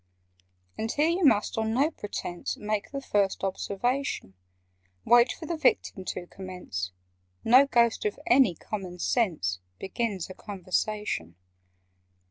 "And here you must on no pretence Make the first observation. Wait for the Victim to commence: No Ghost of any common sense Begins a conversation.